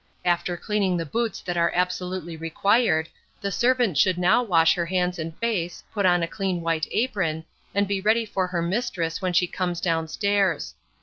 After cleaning the boots that are absolutely required, the servant should now wash her hands and face, put on a clean white apron, and be ready for her mistress when she comes down stairs.